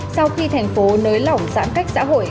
sau khi thành phố nới lỏng giãn cách xã hội